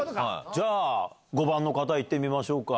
じゃあ５番の方行ってみましょうか。